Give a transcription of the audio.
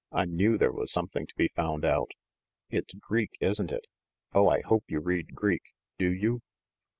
I knew there was something to be found out ! It's Greek, isn't it ? Oh, I hope you read Greek ! Do you